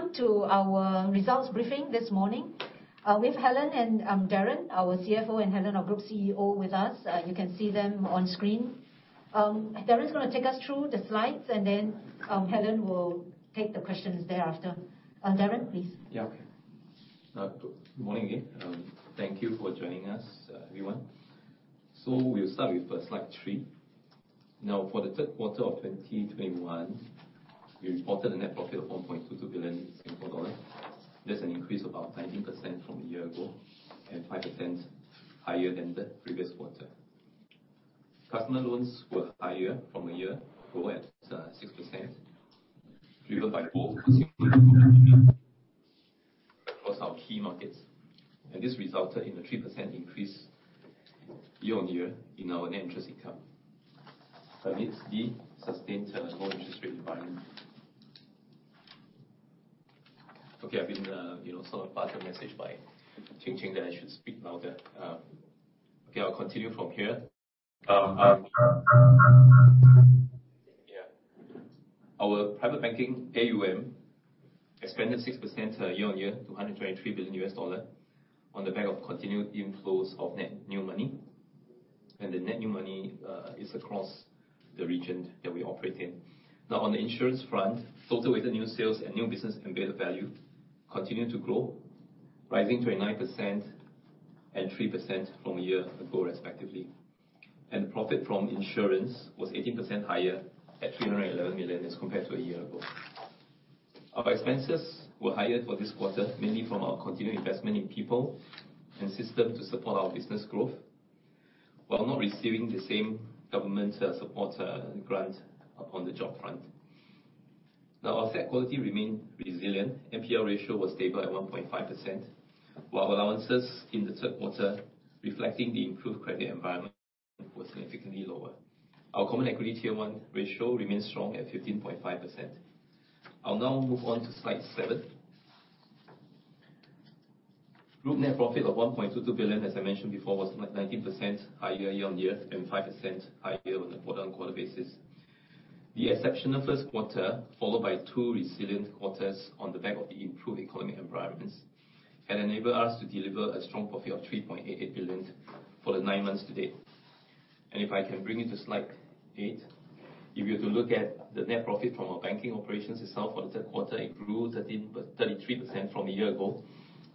Welcome to our results briefing this morning, with Helen and Darren, our CFO, and Helen, our Group CEO with us. You can see them on screen. Darren's gonna take us through the slides, then Helen will take the questions thereafter. Darren, please. Good morning again. Thank you for joining us, everyone. We'll start with slide three. Now, for the third quarter of 2021, we reported a net profit of 1.22 billion Singapore dollars. That's an increase of about 19% from a year ago, and 5% higher than the previous quarter. Customer loans were higher from a year ago at 6% driven by both across our key markets. This resulted in a 3% increase year-on-year in our net interest income amidst the sustained low interest rate environment. Okay, I've been, you know, sort of passed a message by Ching-Ching that I should speak louder. Okay, I'll continue from here. Yeah. Our private banking AUM expanded 6% year-on-year to $123 billion on the back of continued inflows of net new money. The net new money is across the region that we operate in. Now, on the insurance front, total weighted new sales and new business embedded value continued to grow, rising 29% and 3% from a year ago, respectively. Profit from insurance was 18% higher at 311 million as compared to a year ago. Our expenses were higher for this quarter, mainly from our continued investment in people and system to support our business growth while not receiving the same government support grant on the job front. Now, our asset quality remained resilient. NPL ratio was stable at 1.5%, while allowances in the third quarter, reflecting the improved credit environment, was significantly lower. Our common equity tier one ratio remains strong at 15.5%. I'll now move on to slide seven. Group net profit of 1.22 billion, as I mentioned before, was 19% higher year-on-year and 5% higher on a quarter-on-quarter basis. The exceptional first quarter, followed by two resilient quarters on the back of the improved economic environments, had enabled us to deliver a strong profit of 3.88 billion for the nine months to date. If I can bring you to slide eight. If you're to look at the net profit from our banking operations itself for the third quarter, it grew 33% from a year ago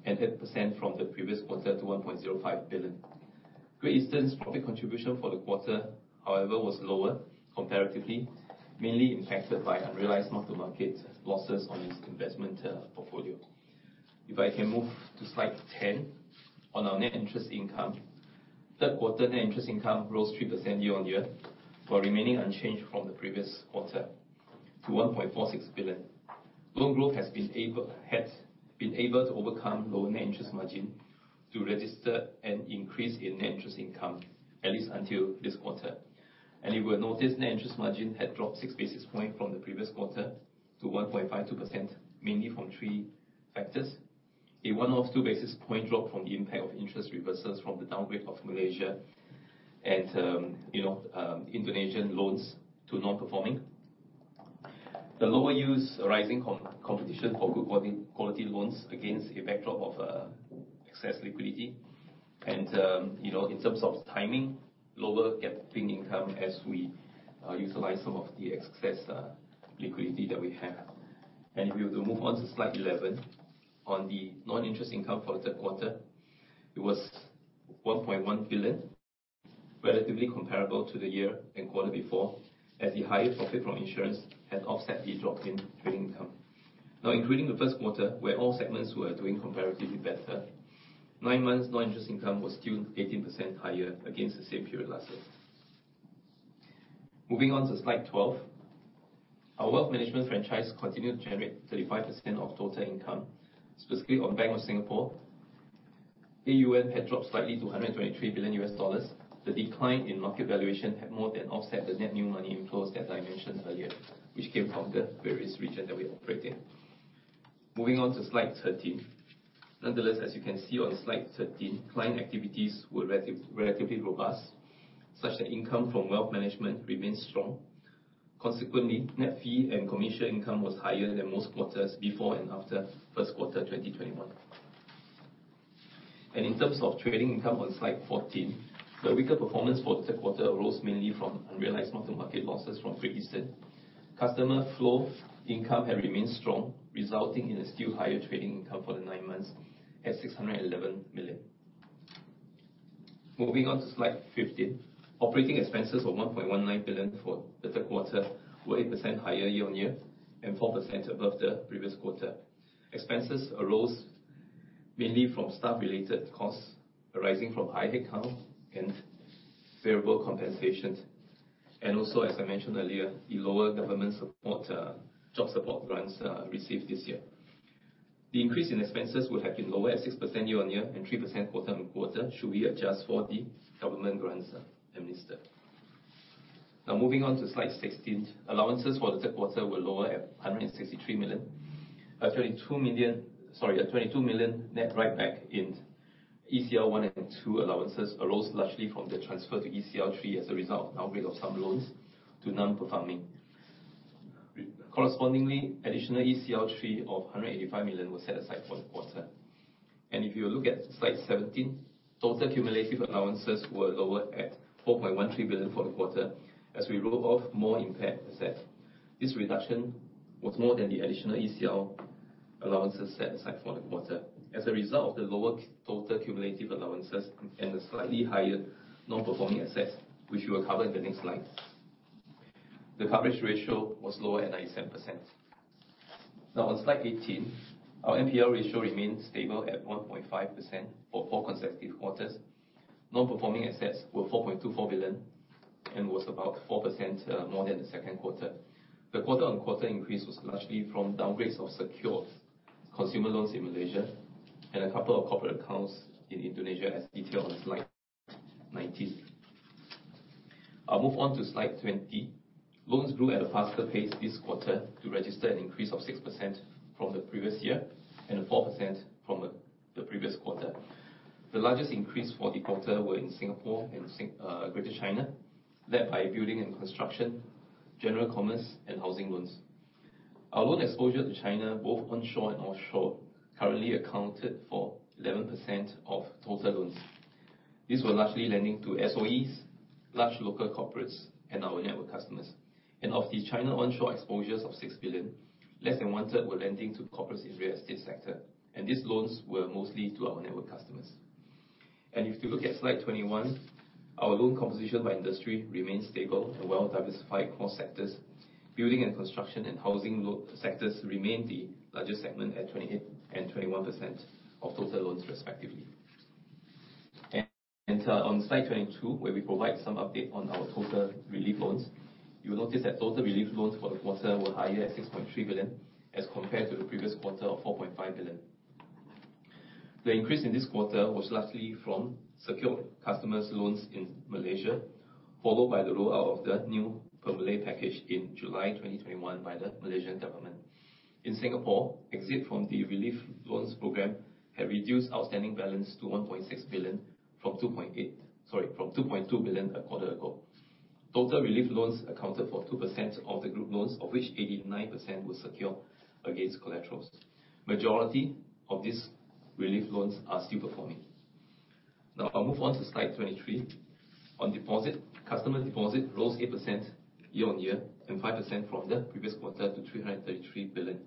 and 10% from the previous quarter to 1.05 billion. Great Eastern's profit contribution for the quarter, however, was lower comparatively, mainly impacted by unrealized mark-to-market losses on its investment portfolio. If I can move to slide 10 on our net interest income. Third quarter net interest income rose 3% year-on-year, while remaining unchanged from the previous quarter to 1.46 billion. Loan growth has been able to overcome lower net interest margin to register an increase in net interest income, at least until this quarter. You will notice net interest margin had dropped 6 basis points from the previous quarter to 1.52%, mainly from three factors. A 102 basis point drop from the impact of interest reversals from the downgrade of Malaysia and Indonesian loans to non-performing. The lower use arising from competition for good quality loans against a backdrop of excess liquidity and, you know, in terms of timing, lower capital income as we utilize some of the excess liquidity that we have. Moving on to slide 11. On the non-interest income for the third quarter, it was 1.1 billion, relatively comparable to the year-ago quarter, as the higher profit from insurance had offset the drop in trading income. Now, including the first quarter where all segments were doing comparatively better, nine months non-interest income was still 18% higher against the same period last year. Moving on to slide 12. Our wealth management franchise continued to generate 35% of total income. Specifically on Bank of Singapore, AUM had dropped slightly to $123 billion. The decline in market valuation had more than offset the net new money inflows, as I mentioned earlier, which came from the various regions that we operate in. Moving on to slide 13. Nonetheless, as you can see on slide 13, client activities were relatively robust, such that income from wealth management remains strong. Consequently, net fee and commission income was higher than most quarters before and after first quarter of 2021. In terms of trading income on slide 14, the weaker performance for the third quarter arose mainly from unrealized mark-to-market losses from Great Eastern. Customer flow income had remained strong, resulting in a still higher trading income for the nine months at 611 million. Moving on to slide 15. Operating expenses were 1.19 billion for the third quarter, 8% higher year-on-year and 4% above the previous quarter. Expenses arose mainly from staff-related costs arising from high headcount and variable compensations. Also, as I mentioned earlier, the lower government support, job support grants received this year. The increase in expenses would have been lower at 6% year-on-year and 3% quarter-on-quarter should we adjust for the government grants administered. Now, moving on to slide 16. Allowances for the third quarter were lower at 163 million. A twenty-two million net write back in ECL1 and ECL2 allowances arose largely from the transfer to ECL3 as a result of downgrade of some loans to non-performing. Correspondingly, additional ECL3 of 185 million was set aside for the quarter. If you look at slide 17, total cumulative allowances were lower at 4.13 billion for the quarter as we wrote off more impaired assets. This reduction was more than the additional ECL allowances set aside for the quarter. As a result of the lower total cumulative allowances and the slightly higher non-performing assets, which we will cover in the next slide, the coverage ratio was lower at 97%. Now on slide 18, our NPL ratio remains stable at 1.5% for four consecutive quarters. Non-performing assets were 4.24 billion and was about 4% more than the second quarter. The quarter-on-quarter increase was largely from downgrades of secured consumer loans in Malaysia and a couple of corporate accounts in Indonesia, as detailed on slide 19. I'll move on to slide 20. Loans grew at a faster pace this quarter to register an increase of 6% from the previous year and 4% from the previous quarter. The largest increase for the quarter were in Singapore and Greater China, led by building and construction, general commerce and housing loans. Our loan exposure to China, both onshore and offshore, currently accounted for 11% of total loans. These were largely lending to SOEs, large local corporates and our network customers. Of the China onshore exposures of 6 billion, less than one third were lending to corporates in real estate sector. These loans were mostly to our network customers. If you look at slide 21, our loan composition by industry remains stable and well-diversified across sectors. Building and construction and housing sectors remain the largest segment at 28% and 21% of total loans respectively. On slide 22, where we provide some update on our total relief loans, you will notice that total relief loans for the quarter were higher at 6.3 billion as compared to the previous quarter of 4.5 billion. The increase in this quarter was largely from secured customer loans in Malaysia, followed by the rollout of the new Pemulih package in July 2021 by the Malaysian government. In Singapore, exit from the relief loans program have reduced outstanding balance to 1.6 billion from 2.2 billion a quarter ago. Total relief loans accounted for 2% of the group loans, of which 89% were secured against collaterals. Majority of these relief loans are still performing. Now I'll move on to slide 23. On deposit, customer deposit rose 8% year-over-year and 5% from the previous quarter to 333 billion.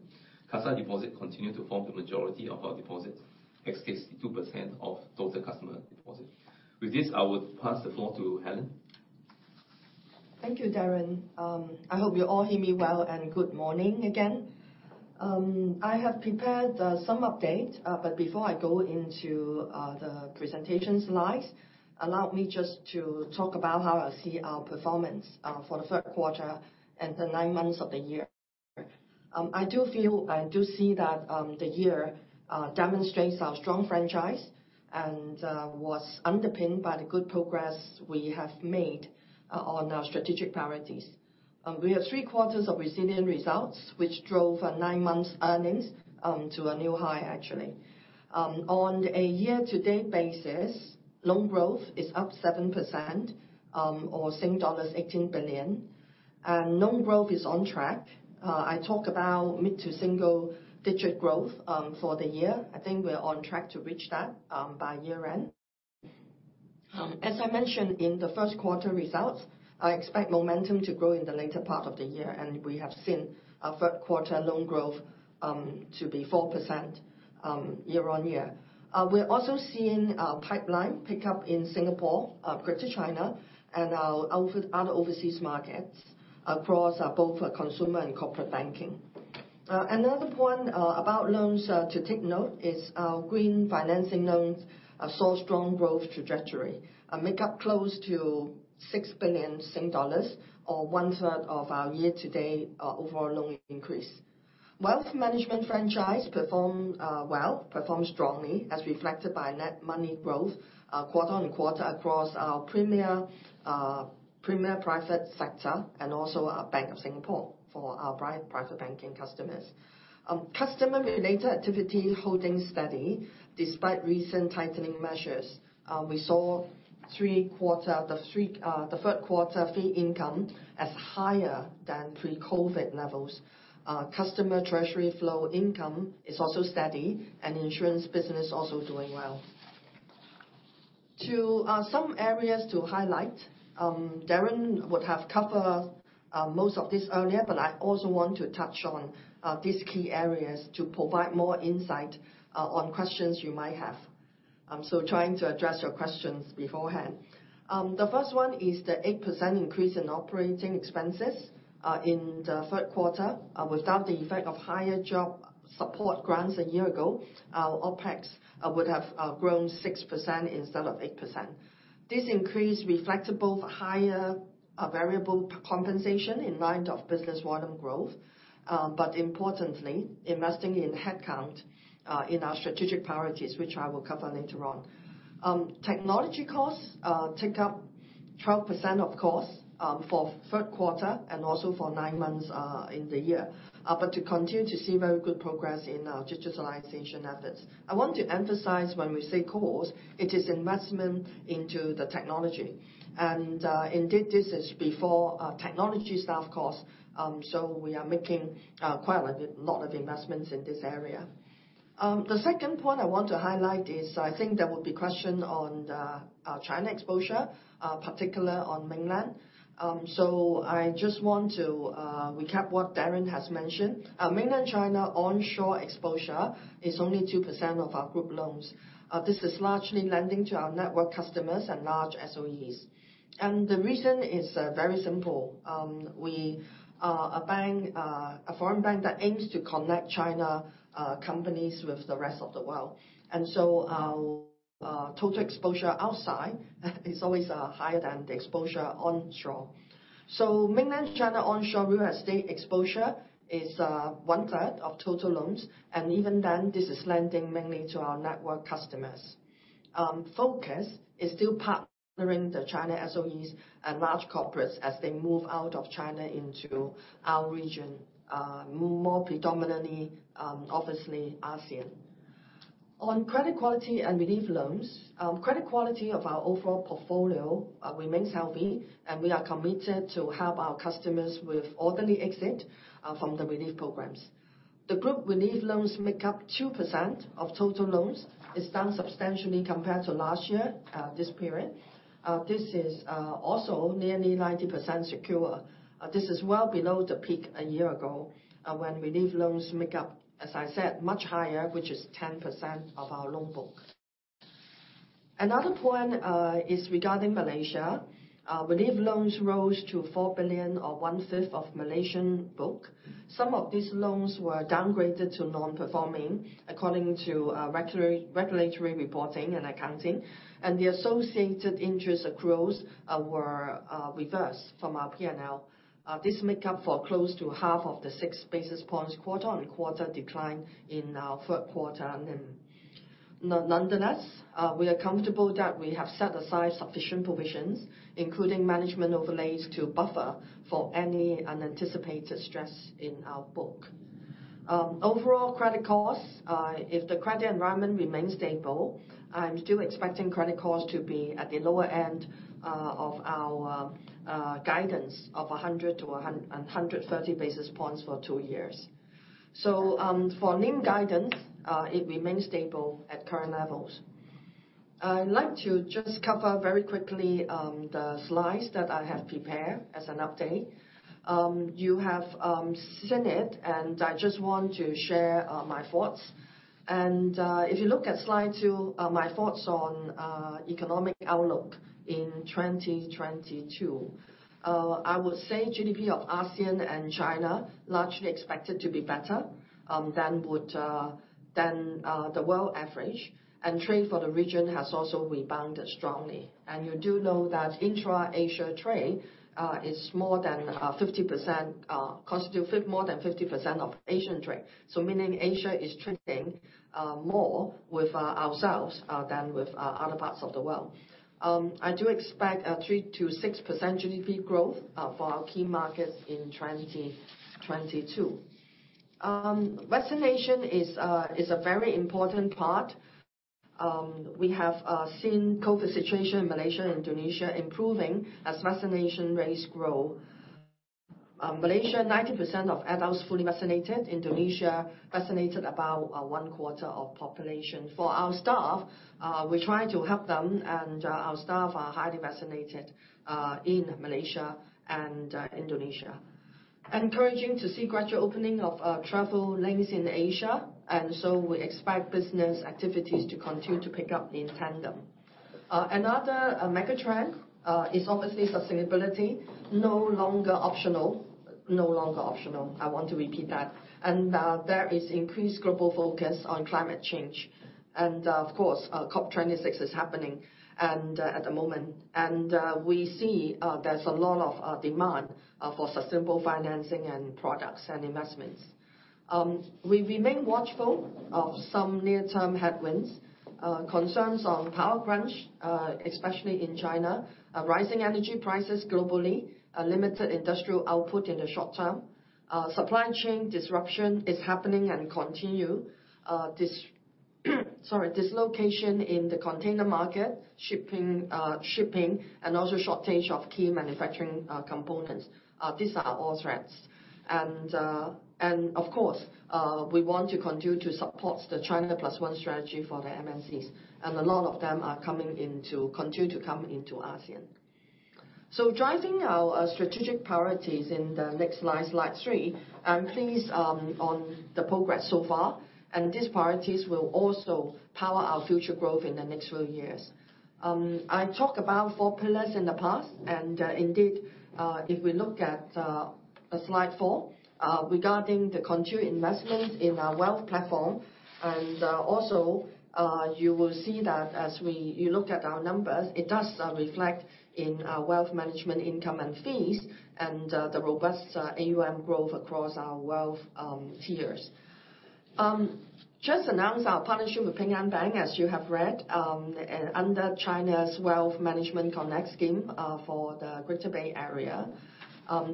CASA deposit continued to form the majority of our deposits, at 62% of total customer deposits. With this, I would pass the floor to Helen. Thank you, Darren. I hope you all hear me well, and good morning again. I have prepared some update, but before I go into the presentation slides, allow me just to talk about how I see our performance for the third quarter and the nine months of the year. I do feel and do see that the year demonstrates our strong franchise and was underpinned by the good progress we have made on our strategic priorities. We have three quarters of resilient results which drove our nine months earnings to a new high, actually. On a year-to-date basis, loan growth is up 7%, or dollars 18 billion. Loan growth is on track. I talk about mid- to single-digit growth for the year. I think we're on track to reach that by year-end. As I mentioned in the first quarter results, I expect momentum to grow in the later part of the year, and we have seen our third quarter loan growth to be 4% year-on-year. We're also seeing a pipeline pick up in Singapore, Greater China and our other overseas markets across both consumer and corporate banking. Another point about loans to take note is our green financing loans saw strong growth trajectory and make up close to 6 billion Sing dollars, or 1/3 of our year-to-date overall loan increase. Wealth management franchise performed strongly, as reflected by net money growth quarter-on-quarter across our premier private sector and also our Bank of Singapore for our private banking customers. Customer-related activity holding steady despite recent tightening measures. We saw the third quarter fee income was higher than pre-COVID levels. Customer treasury flow income is also steady, and insurance business also doing well. Two some areas to highlight, Darren would have covered most of this earlier, but I also want to touch on these key areas to provide more insight on questions you might have. Trying to address your questions beforehand. The first one is the 8% increase in operating expenses in the third quarter without the effect of higher Jobs Support grants a year ago. Our OpEx would have grown 6% instead of 8%. This increase reflected both higher variable compensation in light of business volume growth, but importantly, investing in headcount in our strategic priorities, which I will cover later on. Technology costs take up 12% of costs for third quarter and also for nine months in the year. To continue to see very good progress in our digitalization efforts. I want to emphasize when we say costs, it is investment into the technology. Indeed, this is before technology staff costs, so we are making quite a lot of investments in this area. The second point I want to highlight is I think there will be questions on the China exposure, particularly on the mainland. I just want to recap what Darren has mentioned. Mainland China onshore exposure is only 2% of our group loans. This is largely lending to our network customers and large SOEs. The reason is very simple. We are a bank, a foreign bank that aims to connect China companies with the rest of the world. Our total exposure outside is always higher than the exposure onshore. Mainland China onshore real estate exposure is 1/3 of total loans, and even then, this is lending mainly to our network customers. Focus is still partnering the China SOEs and large corporates as they move out of China into our region, more predominantly, obviously ASEAN. On credit quality and relief loans, credit quality of our overall portfolio remains healthy, and we are committed to help our customers with orderly exit from the relief programs. The group relief loans make up 2% of total loans. It's down substantially compared to last year this period. This is also nearly 90% secure. This is well below the peak a year ago when relief loans make up, as I said, much higher, which is 10% of our loan book. Another point is regarding Malaysia. Relief loans rose to 4 billion or 1/5 of Malaysian book. Some of these loans were downgraded to non-performing according to regulatory reporting and accounting. The associated interest accruals were reversed from our P&L. This makes up for close to half of the 6 basis points quarter-on-quarter decline in our third quarter. Nonetheless, we are comfortable that we have set aside sufficient provisions, including management overlays to buffer for any unanticipated stress in our book. Overall credit costs, if the credit environment remains stable, I'm still expecting credit costs to be at the lower end of our guidance of 100-130 basis points for two years. For NIM guidance, it remains stable at current levels. I'd like to just cover very quickly the slides that I have prepared as an update. You have seen it, and I just want to share my thoughts. If you look at slide two, my thoughts on economic outlook in 2022. I would say GDP of ASEAN and China largely expected to be better than the world average. Trade for the region has also rebounded strongly. You do know that intra-Asia trade is more than 50% of Asian trade. Meaning Asia is trading more with ourselves than with other parts of the world. I do expect a 3%-6% GDP growth for our key markets in 2022. Vaccination is a very important part. We have seen COVID situation in Malaysia and Indonesia improving as vaccination rates grow. Malaysia, 90% of adults fully vaccinated. Indonesia vaccinated about 1/4 of population. For our staff, we're trying to help them, and our staff are highly vaccinated in Malaysia and Indonesia. It's encouraging to see gradual opening of travel links in Asia, and so we expect business activities to continue to pick up in tandem. Another mega trend is obviously sustainability. No longer optional. I want to repeat that. There is increased global focus on climate change. Of course, COP26 is happening at the moment. We see there's a lot of demand for sustainable financing and products and investments. We remain watchful of some near-term headwinds, concerns on power crunch especially in China, rising energy prices globally, limited industrial output in the short term. Supply chain disruption is happening and continue. Dislocation in the container market, shipping, and also shortage of key manufacturing components. These are all threats. Of course, we want to continue to support the China Plus One strategy for the MNCs, and a lot of them are coming into continue to come into ASEAN. Driving our strategic priorities in the next slide three, I'm pleased on the progress so far. These priorities will also power our future growth in the next few years. I talked about four pillars in the past, and indeed, if we look at slide four regarding the continued investment in our wealth platform, and also you will see that as you look at our numbers, it does reflect in our wealth management income and fees and the robust AUM growth across our wealth tiers. We just announced our partnership with Ping An Bank, as you have read, and under China's Wealth Management Connect scheme for the Greater Bay Area.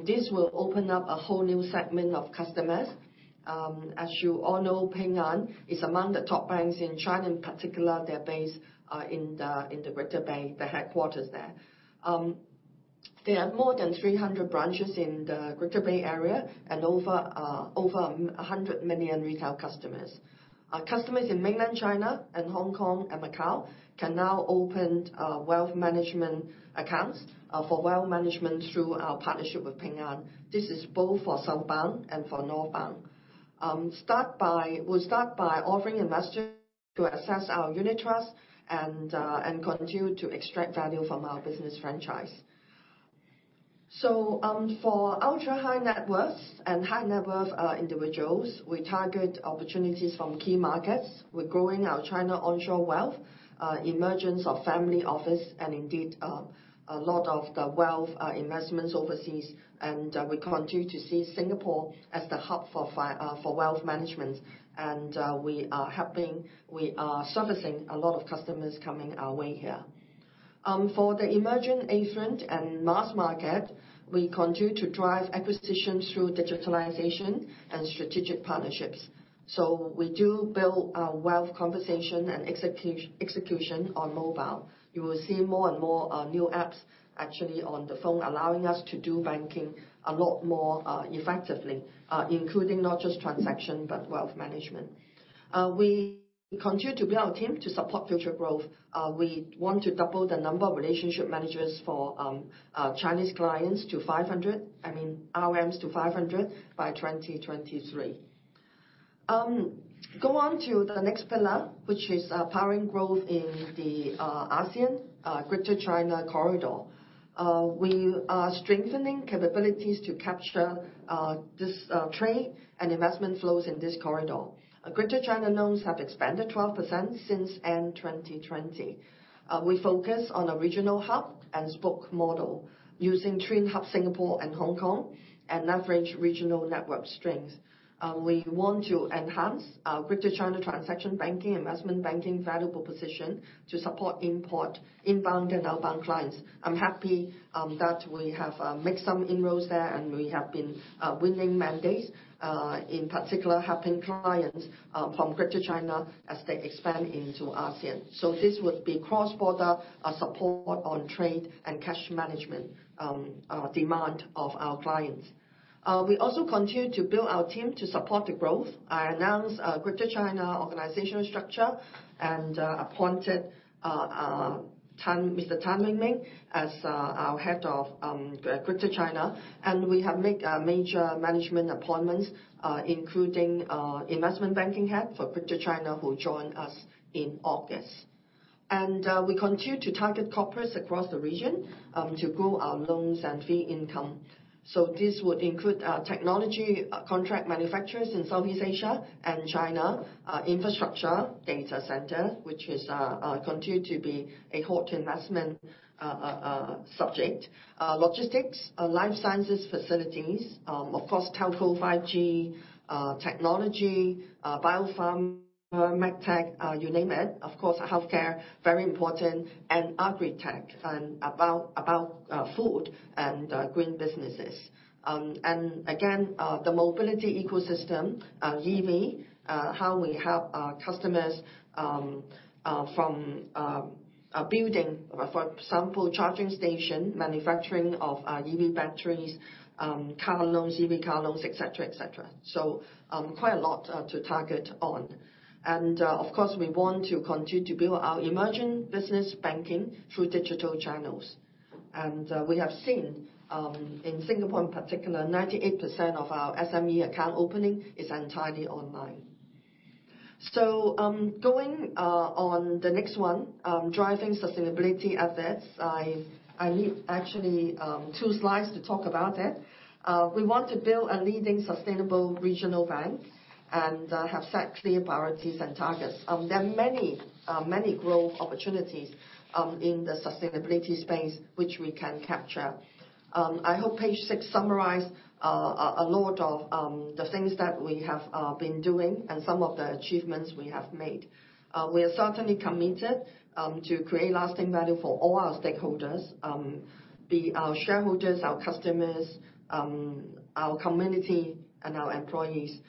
This will open up a whole new segment of customers. As you all know, Ping An is among the top banks in China, in particular, they're based in the Greater Bay, the headquarters there. They have more than 300 branches in the Greater Bay Area and over 100 million retail customers. Our customers in mainland China and Hong Kong and Macau can now open wealth management accounts for wealth management through our partnership with Ping An. This is both for Southbound and for Northbound. We'll start by offering investors to access our unit trust and continue to extract value from our business franchise. For ultra high-net-worth and high-net-worth individuals, we target opportunities from key markets. We're growing our China onshore wealth, emergence of family office and indeed a lot of the wealth investments overseas. We continue to see Singapore as the hub for wealth management. We are helping, we are servicing a lot of customers coming our way here. For the emerging affluent and mass market, we continue to drive acquisition through digitalization and strategic partnerships. We do build our wealth conversion and execution on mobile. You will see more and more new apps actually on the phone, allowing us to do banking a lot more effectively, including not just transaction, but wealth management. We continue to build our team to support future growth. We want to double the number of relationship managers for Chinese clients to 500. I mean, RMs to 500 by 2023. Go on to the next pillar, which is powering growth in the ASEAN Greater China corridor. We are strengthening capabilities to capture this trade and investment flows in this corridor. Greater China loans have expanded 12% since end 2020. We focus on a regional hub-and-spoke model using twin hub, Singapore and Hong Kong, and leverage regional network strength. We want to enhance our Greater China transaction banking, investment banking valuable position to support import, inbound and outbound clients. I'm happy that we have made some inroads there, and we have been winning mandates, in particular helping clients from Greater China as they expand into ASEAN. This would be cross-border support on trade and cash management demand of our clients. We also continue to build our team to support the growth. I announced a Greater China organizational structure and appointed Tan Wing Ming. Tan Wing Ming as our Head of Greater China. We have made major management appointments, including Investment Banking Head for Greater China who joined us in August. We continue to target corporates across the region to grow our loans and fee income. This would include technology, contract manufacturers in Southeast Asia and China, infrastructure data center, which continue to be a hot investment subject. Logistics, life sciences facilities, of course, telco, 5G, technology, biopharm, med tech, you name it. Of course, healthcare, very important, and agritech and about food and green businesses. Again, the mobility ecosystem, EV, how we help our customers from a building, for example, charging station, manufacturing of EV batteries, car loans, EV car loans, et cetera, et cetera. Quite a lot to target on. Of course, we want to continue to build our emerging business banking through digital channels. We have seen in Singapore in particular, 98% of our SME account opening is entirely online. Going on the next one, driving sustainability assets. I need actually two slides to talk about it. We want to build a leading sustainable regional bank and have set clear priorities and targets. There are many growth opportunities in the sustainability space which we can capture. I hope page six summarizes a lot of the things that we have been doing and some of the achievements we have made. We are certainly committed to create lasting value for all our stakeholders, be our shareholders, our customers, our community and our employees.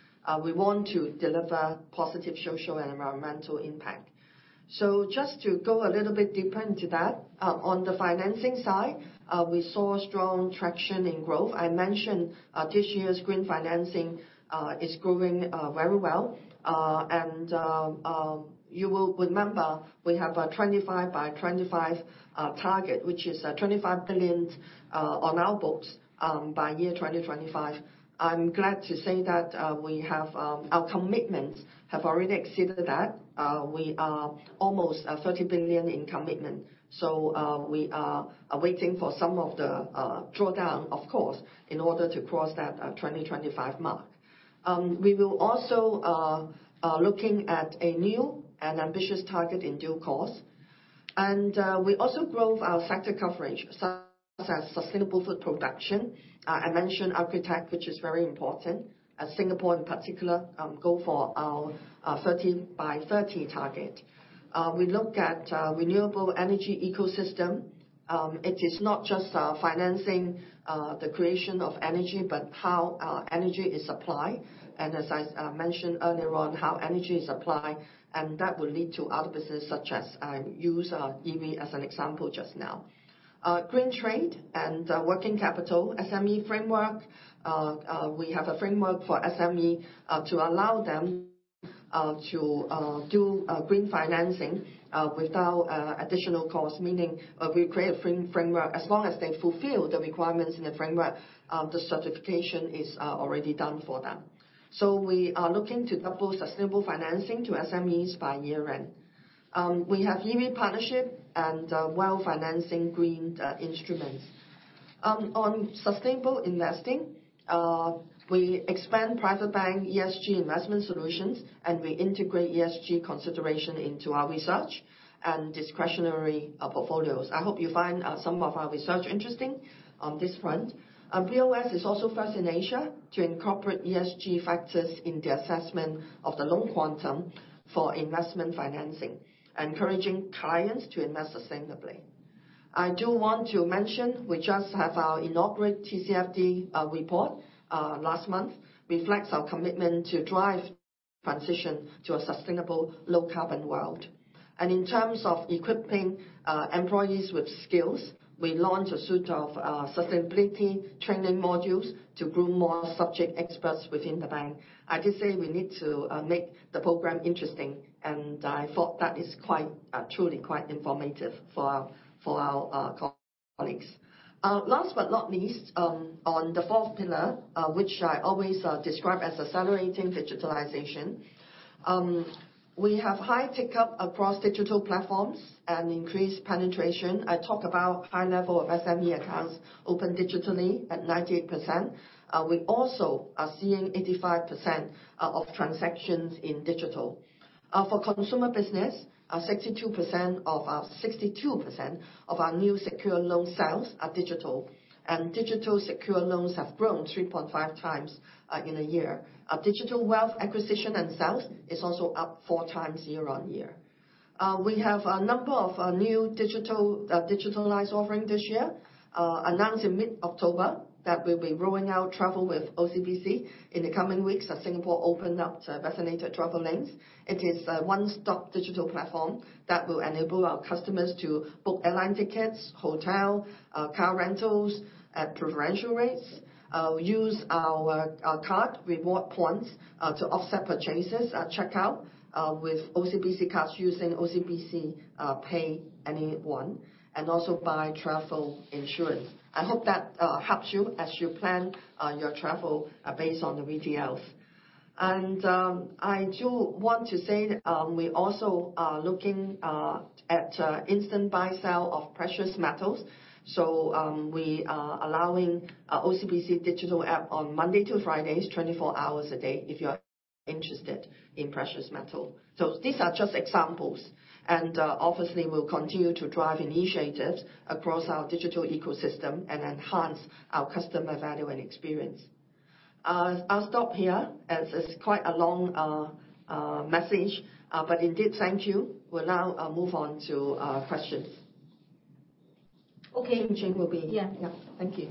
We want to deliver positive social and environmental impact. Just to go a little bit deeper into that, on the financing side, we saw strong traction in growth. I mentioned this year's green financing is growing very well. You will remember we have a 25 by 25 target, which is 25 billion on our books by 2025. I'm glad to say that our commitments have already exceeded that. We are almost at 30 billion in commitment. We are awaiting for some of the drawdown of course, in order to cross that 2025 mark. We will also looking at a new and ambitious target in due course. We also grow our sector coverage such as sustainable food production. I mentioned agritech, which is very important, as Singapore in particular go for our 30 by 30 target. We look at renewable energy ecosystem. It is not just financing the creation of energy, but how our energy is supplied. As I mentioned earlier on how energy is supplied and that will lead to other business such as use EV as an example just now. Green trade and working capital SME framework. We have a framework for SME to allow them to do green financing without additional cost. Meaning, we create a framework. As long as they fulfill the requirements in the framework, the certification is already done for them. We are looking to double sustainable financing to SMEs by year end. We have EV partnership and we'll finance green instruments. On sustainable investing, we expand private bank ESG investment solutions, and we integrate ESG consideration into our research and discretionary portfolios. I hope you find some of our research interesting on this front. BOS is also first in Asia to incorporate ESG factors in the assessment of the loan quantum for investment financing, encouraging clients to invest sustainably. I do want to mention we just have our inaugural TCFD report last month, which reflects our commitment to drive transition to a sustainable low carbon world. In terms of equipping employees with skills, we launched a suite of sustainability training modules to groom more subject experts within the bank. I just say we need to make the program interesting, and I thought that is quite truly quite informative for our colleagues. Last but not least, on the fourth pillar, which I always describe as accelerating digitalization. We have high uptake across digital platforms and increased penetration. I talk about high level of SME accounts open digitally at 98%. We also are seeing 85% of transactions in digital. For consumer business, 62% of our new secure loan sales are digital. Digital secure loans have grown 3.5x in a year. Our digital wealth acquisition and sales is also up 4x year-on-year. We have a number of new digital digitalized offerings this year. We announced in mid-October that we'll be rolling out Travel with OCBC in the coming weeks as Singapore opens up to designated travel lanes. It is a one-stop digital platform that will enable our customers to book airline tickets, hotel, car rentals at preferential rates. Use our card reward points to offset purchases at checkout with OCBC cards using OCBC Pay Anyone and also buy travel insurance. I hope that helps you as you plan your travel based on the VTLs. I do want to say that we also are looking at instant buy sell of precious metals. We are allowing OCBC digital app on Monday to Fridays, 24 hours a day if you are interested in precious metal. These are just examples. Obviously we'll continue to drive initiatives across our digital ecosystem and enhance our customer value and experience. I'll stop here as it's quite a long message. Indeed, thank you. We'll now move on to questions. Okay. Q&A will be. Yeah. Yeah. Thank you.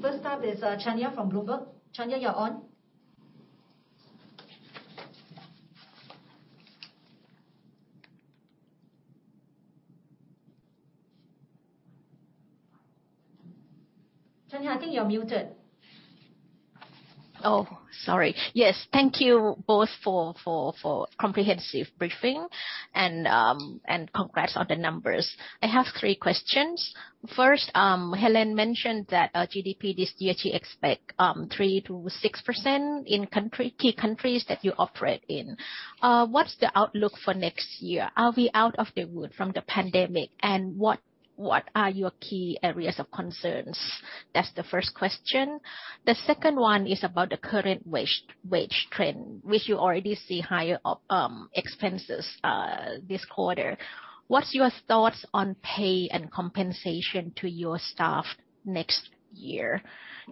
First up is Chanya from Bloomberg. Chanya, you're on. Chanya, I think you're muted. Oh, sorry. Yes. Thank you both for comprehensive briefing and congrats on the numbers. I have three questions. First, Helen mentioned that GDP this year she expect 3%-6% in key countries that you operate in. What's the outlook for next year? Are we out of the woods from the pandemic? And what are your key areas of concerns? That's the first question. The second one is about the current wage trend, which you already see higher OpEx this quarter. What's your thoughts on pay and compensation to your staff next year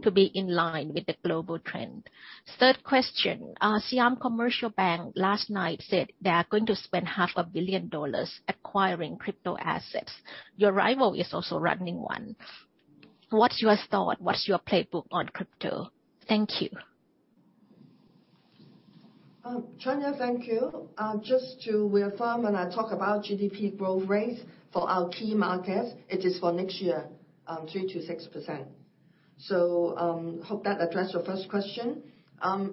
to be in line with the global trend? Third question. Siam Commercial Bank last night said they are going to spend $500 million acquiring crypto assets. Your rival is also running one. What's your thought? What's your playbook on crypto? Thank you. Chanya, thank you. Just to reaffirm when I talk about GDP growth rates for our key markets, it is for next year, 3%-6%. Hope that addressed your first question.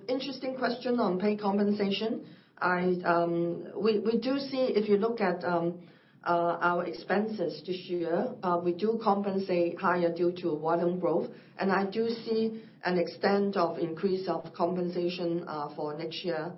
Interesting question on pay compensation. We do see if you look at our expenses this year, we do compensate higher due to volume growth. I do see an extent of increase of compensation for next year.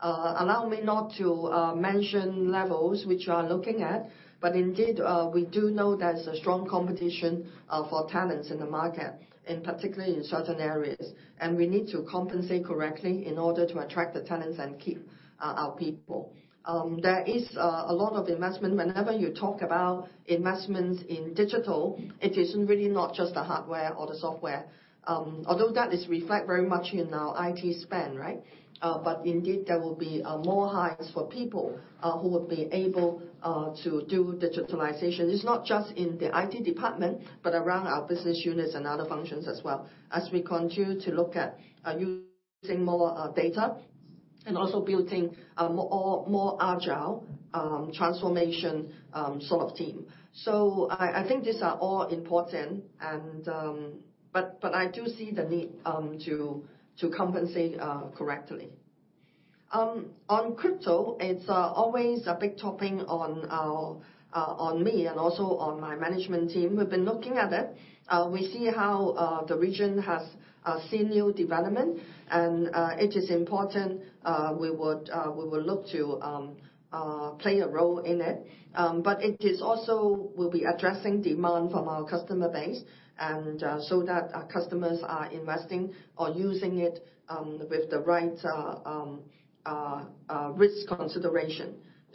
Allow me not to mention levels which are looking at, but indeed, we do know there's a strong competition for talents in the market and particularly in certain areas. We need to compensate correctly in order to attract the talents and keep our people. There is a lot of investment. Whenever you talk about investments in digital, it isn't really not just the hardware or the software. Although that is reflected very much in our IT spend, right? But indeed, there will be more hires for people who will be able to do digitalization. It's not just in the IT department, but around our business units and other functions as well, as we continue to look at using more data and also building a more agile transformation sort of team. I think these are all important, but I do see the need to compensate correctly. On crypto, it's always a big topic on me and also on my management team. We've been looking at it. We see how the region has seen new development. It is important. We will look to play a role in it. It is also. We'll be addressing demand from our customer base and so that our customers are investing or using it with the right risk consideration.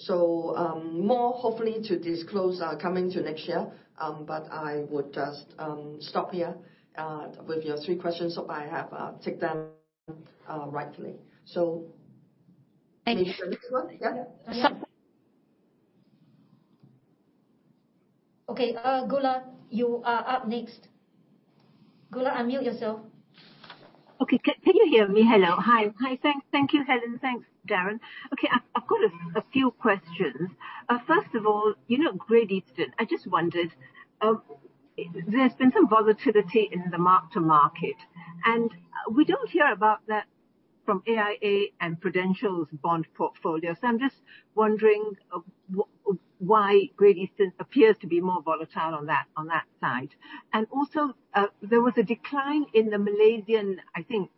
More, hopefully, to disclose coming next year. I would just stop here with your three questions. I have taken them rightfully. Thank you. Next one. Yeah. Okay. Goola, you are up next. Goola, unmute yourself. Okay. Can you hear me? Hello. Hi. Thank you, Helen. Thanks, Darren. Okay. I've got a few questions. First of all, you know, Great Eastern, I just wondered if there's been some volatility in the mark-to-market, and we don't hear about that from AIA and Prudential's bond portfolio. I'm just wondering why Great Eastern appears to be more volatile on that side. Also, there was a decline in the Malaysian, I think,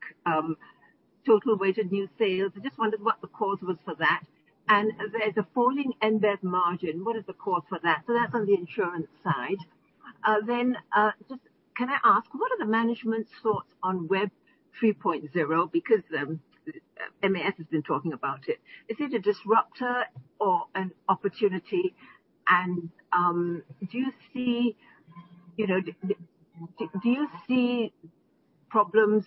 total weighted new sales. I just wondered what the cause was for that. There's a falling embedded margin. What is the cause for that? That's on the insurance side. Then, just can I ask, what are the management's thoughts on Web 3.0? Because, MAS has been talking about it. Is it a disruptor or an opportunity? Do you see problems?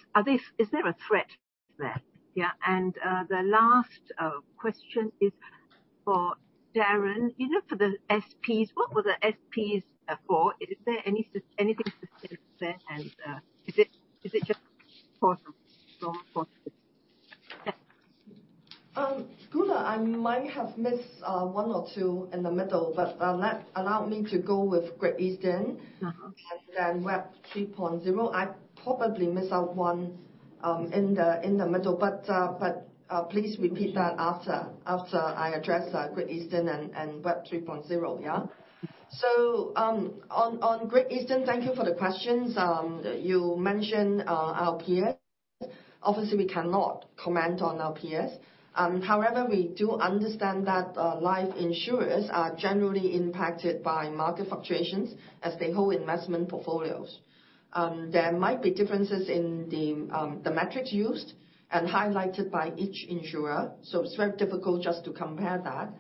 Is there a threat there? Yeah. The last question is for Darren. You know, for the SPs, what were the SPs for? Is there anything specific there? Is it just for? Yeah. Goola, I might have missed one or two in the middle, but allow me to go with Great Eastern. Uh-huh. Web 3.0. I probably miss out one in the middle, but please repeat that after I address Great Eastern and Web 3.0. Yeah? On Great Eastern, thank you for the questions. You mentioned our peers. Obviously, we cannot comment on our peers. However, we do understand that life insurers are generally impacted by market fluctuations as they hold investment portfolios. There might be differences in the metrics used and highlighted by each insurer, so it's very difficult just to compare that.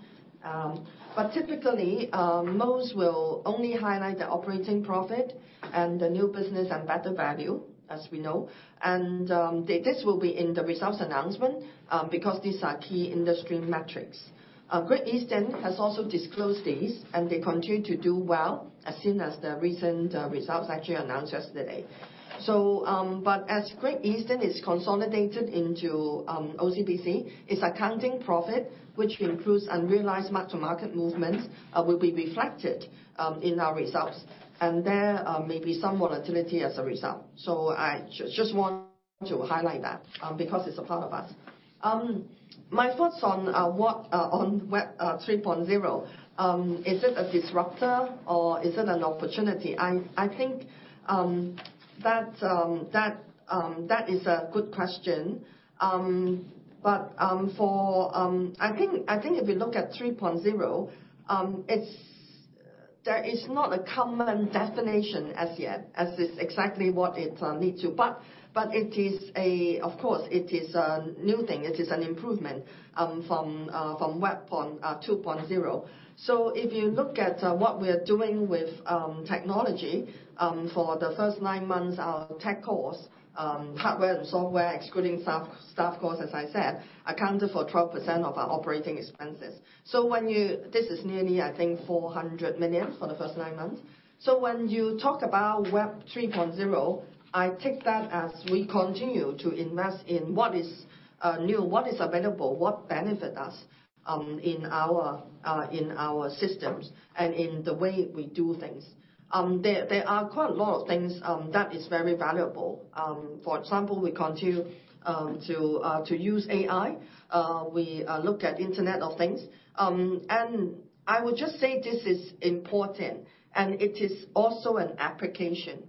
Typically, most will only highlight the operating profit and the new business value, as we know. This will be in the results announcement, because these are key industry metrics. Great Eastern has also disclosed these, and they continue to do well as seen in the recent results actually announced yesterday. As Great Eastern is consolidated into OCBC, its accounting profit, which includes unrealized mark-to-market movements, will be reflected in our results. There may be some volatility as a result. I just want to highlight that because it's a part of us. My thoughts on Web 3.0. Is it a disruptor or is it an opportunity? I think that is a good question. I think if you look at 3.0, there is not a common destination as yet, as is exactly what it needs to. Of course it is a new thing. It is an improvement from Web 2.0. If you look at what we're doing with technology for the first nine months, our tech costs, hardware and software, excluding staff costs, as I said, accounted for 12% of our operating expenses. This is nearly, I think, 400 million for the first nine months. When you talk about Web 3.0, I take that as we continue to invest in what is new, what is available, what benefit us in our systems and in the way we do things. There are quite a lot of things that is very valuable. For example, we continue to use AI. We look at Internet of Things. I would just say this is important, and it is also an application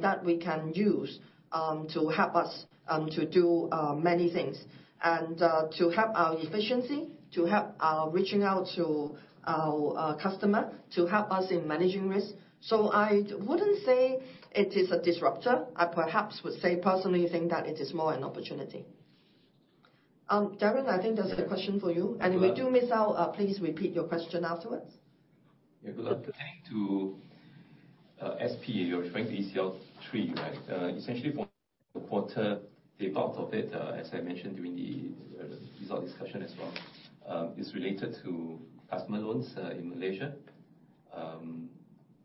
that we can use to help us to do many things and to help our efficiency, to help our reaching out to our customer, to help us in managing risk. I wouldn't say it is a disruptor. I perhaps would say I personally think that it is more an opportunity. Darren, I think that's a question for you. Yeah. If we do miss out, please repeat your question afterwards. Yeah, good luck. Pertaining to SP, you're referring to ECL three, right? Essentially for the quarter, the bulk of it, as I mentioned during the result discussion as well, is related to customer loans in Malaysia.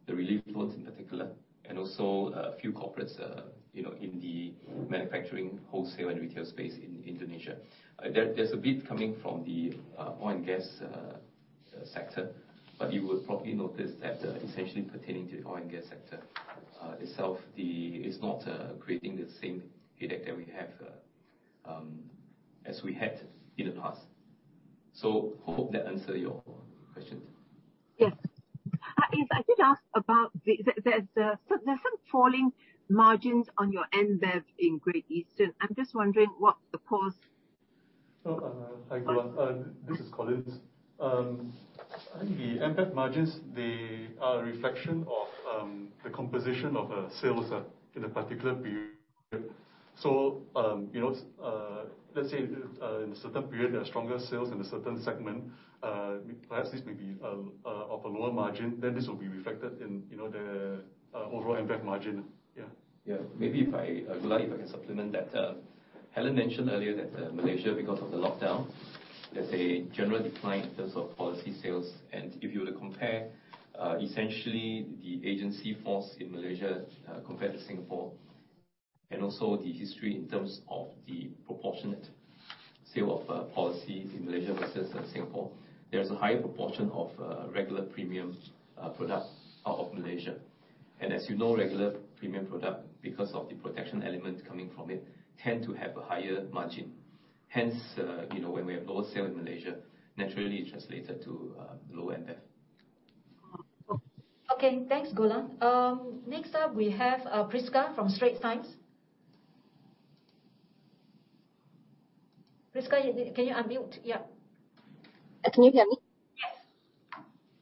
The relief loans in particular, and also a few corporates, you know, in the manufacturing, wholesale and retail space in Indonesia. There's a bit coming from the oil and gas sector. You will probably notice that, essentially pertaining to the oil and gas sector itself, it's not creating the same headache that we have as we had in the past. I hope that answer your questions. Yes. If I could ask about the falling margins on your NBV in Great Eastern. I'm just wondering what the cause? Oh, hi, Goola. This is Collins. I think the NBV margins, they are a reflection of the composition of sales in a particular period. You know, let's say in a certain period, there are stronger sales in a certain segment. Perhaps this may be of a lower margin, then this will be reflected in you know, the overall NBV margin. Yeah. Maybe, Goola, if I can supplement that. Helen mentioned earlier that Malaysia, because of the lockdown, there's a general decline in terms of policy sales. If you were to compare essentially the agency force in Malaysia compared to Singapore and also the history in terms of the proportionate sale of policies in Malaysia versus Singapore, there's a higher proportion of regular premium product out of Malaysia. As you know, regular premium product, because of the protection element coming from it, tend to have a higher margin. Hence, you know, when we have lower sale in Malaysia, naturally it translated to low NBV. Okay. Thanks, Goola. Next up, we have Prisca from The Straits Times. Prisca, can you unmute? Yeah. Can you hear me? Yes.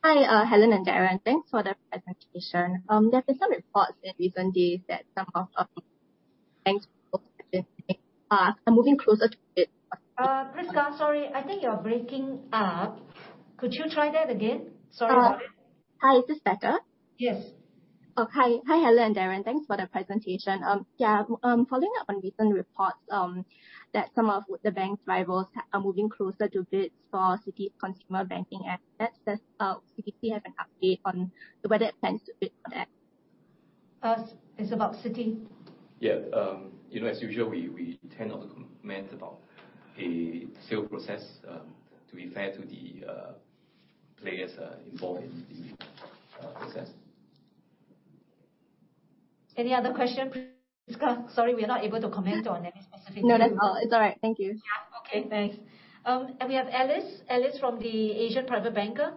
Hi, Helen and Darren. Thanks for the presentation. There's been some reports in recent days that are moving closer to it. Prisca, sorry, I think you're breaking up. Could you try that again? Sorry about it. Hi. Is this better? Yes. Okay. Hi, Helen and Darren. Thanks for the presentation. Following up on recent reports that some of the bank's rivals are moving closer to bids for Citi Consumer Banking assets. Does OCBC have an update on whether it plans to bid on that? It's about Citi. Yeah. You know, as usual, we cannot comment about a sale process, to be fair to the players involved in the process. Any other question, Prisca? Sorry, we are not able to comment on any specific. No, that's all. It's all right. Thank you. Yeah. Okay, thanks. We have Alice. Alice from the Asian Private Banker.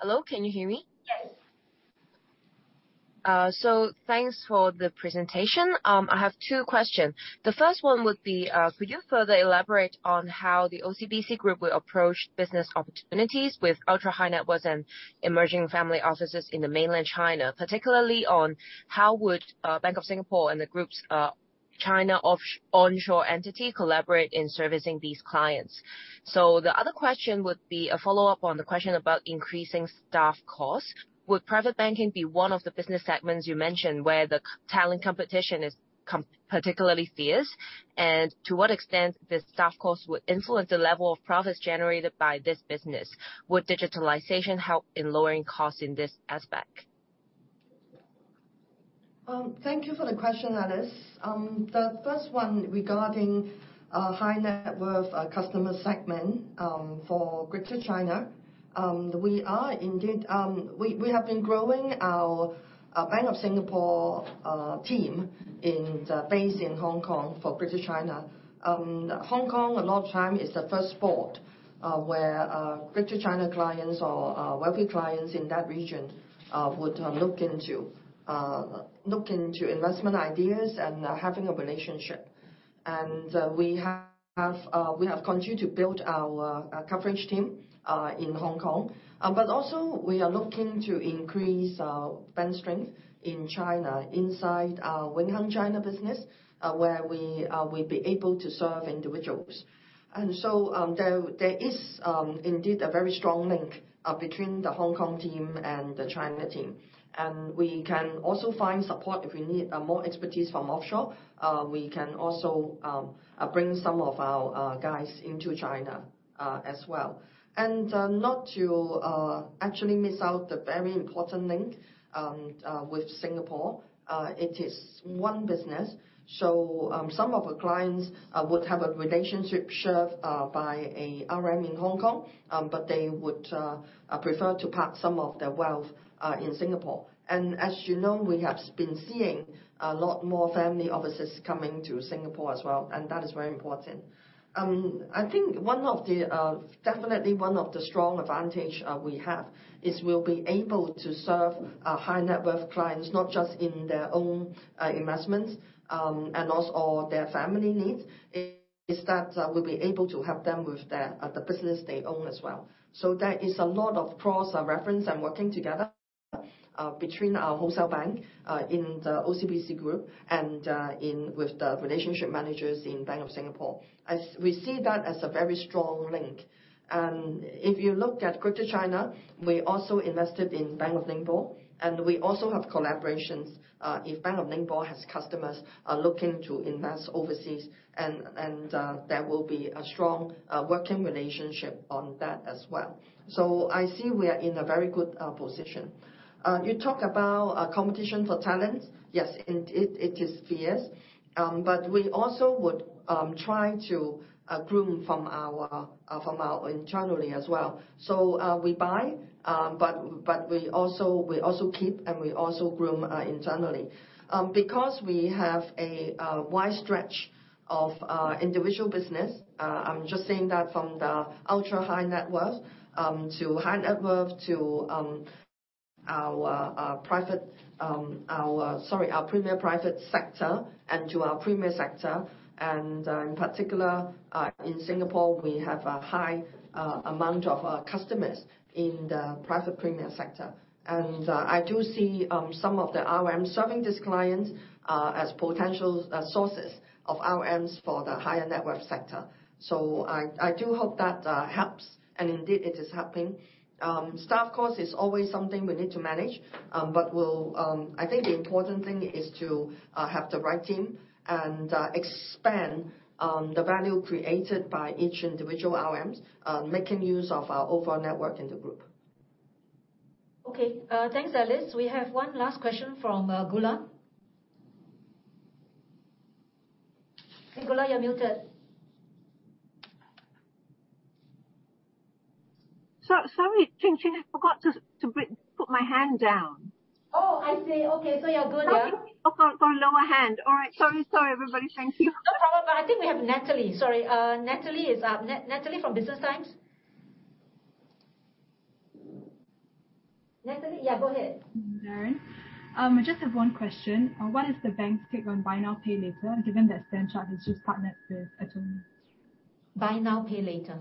Hello, can you hear me? Yes. Thanks for the presentation. I have two questions. The first one would be, could you further elaborate on how the OCBC Group will approach business opportunities with ultra-high net worth and emerging family offices in the Mainland China? Particularly, how would Bank of Singapore and the group's China offshore-onshore entity collaborate in servicing these clients. The other question would be a follow-up on the question about increasing staff costs. Would private banking be one of the business segments you mentioned where the talent competition is particularly fierce? And to what extent the staff costs would influence the level of profits generated by this business? Would digitalization help in lowering costs in this aspect? Thank you for the question, Alice. The first one regarding high net worth customer segment for Greater China, we are indeed. We have been growing our Bank of Singapore team based in Hong Kong for Greater China. Hong Kong for a long time is the first port where Greater China clients or wealthy clients in that region would look into investment ideas and having a relationship. We have continued to build our coverage team in Hong Kong. Also we are looking to increase bank strength in China inside our Wing Hang China business where we will be able to serve individuals. There is indeed a very strong link between the Hong Kong team and the China team. We can also find support if we need more expertise from offshore. We can also bring some of our guys into China as well. Not to actually miss out the very important link with Singapore, it is one business. Some of the clients would have a relationship served by a RM in Hong Kong, but they would prefer to park some of their wealth in Singapore. As you know, we have been seeing a lot more family offices coming to Singapore as well, and that is very important. I think one of the definitely one of the strong advantage we have is we'll be able to serve our high net worth clients, not just in their own investments and also or their family needs. Is that we'll be able to help them with their the business they own as well. There is a lot of cross reference and working together between our wholesale bank in the OCBC group and in with the relationship managers in Bank of Singapore. As we see that as a very strong link. If you look at Greater China, we also invested in Bank of Ningbo, and we also have collaborations. If Bank of Ningbo has customers are looking to invest overseas, and there will be a strong working relationship on that as well. I see we are in a very good position. You talk about competition for talent. Yes, indeed, it is fierce. We also would try to groom from our internally as well. We buy, but we also keep and we also groom internally. Because we have a wide stretch of our individual business, I'm just saying that from the ultra-high net worth to high net worth to our private. Sorry, our premier private sector and to our premier sector, and in particular in Singapore, we have a high amount of customers in the private premier sector. I do see some of the RMs serving these clients as potential sources of RMs for the higher net worth sector. I do hope that helps. Indeed it is helping. Staff cost is always something we need to manage, but we'll, I think, the important thing is to have the right team and expand the value created by each individual RMs, making use of our overall network in the group. Okay. Thanks, Alice. We have one last question from Goola. Hey, Goola, you're muted. Sorry, Ching-Ching, I forgot to put my hand down. Oh, I see. Okay, you're good now. Sorry. Oh, so lower hand. All right. Sorry, everybody. Thank you. No problem. I think we have Natalie. Sorry. Natalie is up. Natalie from The Business Times. Natalie? Yeah, go ahead. Darren. I just have one question. What is the bank's take on buy now, pay later, given that Standard Chartered has just partnered with Atome? Buy now, pay later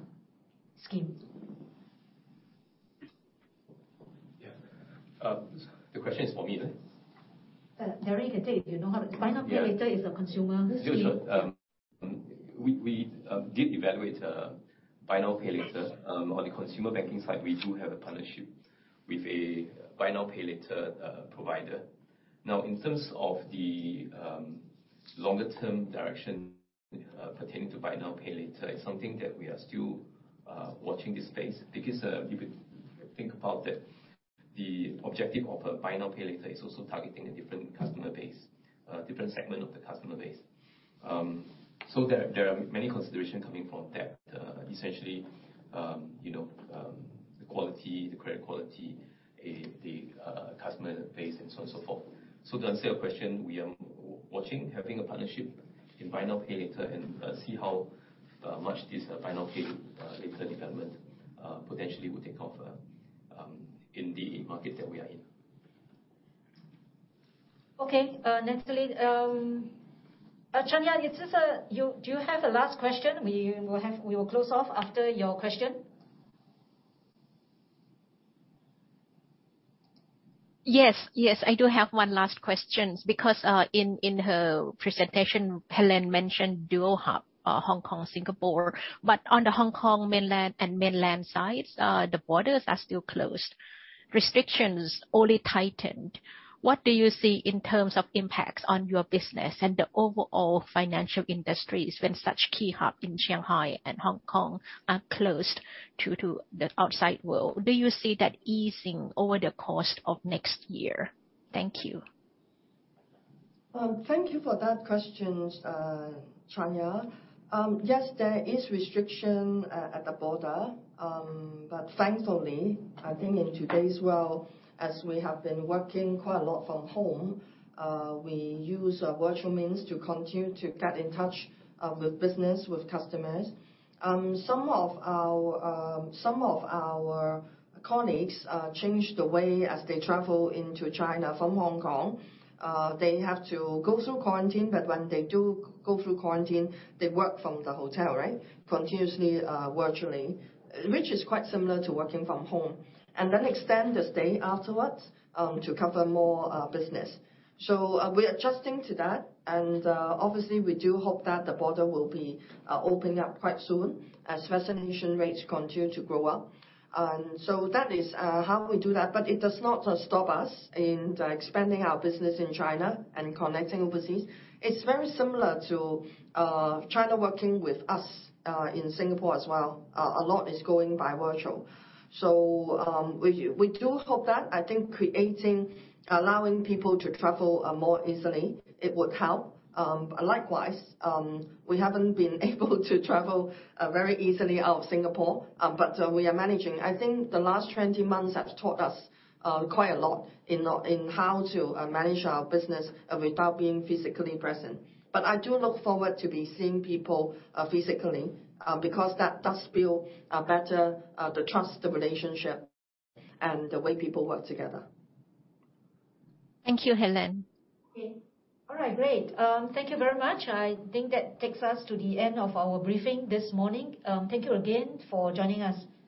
scheme. Yeah. The question is for me, right? Darren can take it. Do you know how to? Yeah. Buy now, pay later is a consumer scheme. Sure, sure. We did evaluate buy now, pay later. On the consumer banking side we do have a partnership with a buy now, pay later provider. Now, in terms of the longer term direction pertaining to buy now, pay later, it's something that we are still watching the space. Because if you think about that the objective of a buy now, pay later is also targeting a different customer base, different segment of the customer base. There are many considerations coming from that. Essentially, you know, the quality, the credit quality, the customer base and so on and so forth. To answer your question, we are watching, having a partnership in buy now, pay later and see how much this buy now, pay later development potentially would take off in the market that we are in. Okay. Natalie, Chanya, is this your last question? We will close off after your question. Yes, yes. I do have one last question because in her presentation, Helen mentioned dual hub, Hong Kong, Singapore. On the Hong Kong mainland and mainland sides, the borders are still closed. Restrictions only tightened. What do you see in terms of impacts on your business and the overall financial industries when such key hub in Shanghai and Hong Kong are closed to the outside world? Do you see that easing over the course of next year? Thank you. Thank you for that question, Chanya. Yes, there is restriction at the border. Thankfully, I think in today's world, as we have been working quite a lot from home, we use virtual means to continue to get in touch with business, with customers. Some of our colleagues changed the way as they travel into China from Hong Kong. They have to go through quarantine, but when they do go through quarantine, they work from the hotel, right? Continuously virtually, which is quite similar to working from home, and then extend the stay afterwards to cover more business. We're adjusting to that. Obviously we do hope that the border will be opened up quite soon as vaccination rates continue to grow up. That is how we do that. It does not stop us from expanding our business in China and connecting overseas. It's very similar to Chinese working with us in Singapore as well. A lot is going virtually. We do hope that. I think creating, allowing people to travel more easily, it would help. Likewise, we haven't been able to travel very easily out of Singapore, but we are managing. I think the last 20 months have taught us quite a lot in how to manage our business without being physically present. I do look forward to be seeing people physically, because that does build better the trust, the relationship, and the way people work together. Thank you, Helen. Okay. All right. Great. Thank you very much. I think that takes us to the end of our briefing this morning. Thank you again for joining us.